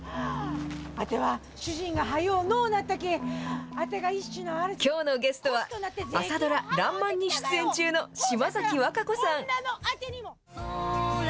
あては主人がはようのうなったけぇ、きょうのゲストは、朝ドラらんまんに出演中の島崎和歌子さん。